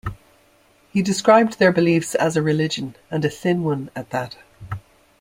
He described their beliefs as a religion and a thin one at that.